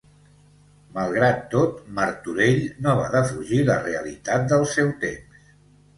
Malgrat tot, Martorell no va defugir la realitat del seu temps.